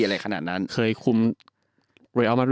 อะไรขนาดนั้นเคยคุม